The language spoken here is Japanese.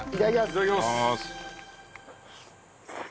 いただきます。